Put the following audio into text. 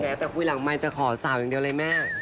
แต่คุยหลังไมค์จะขอสาวอย่างเดียวเลยแม่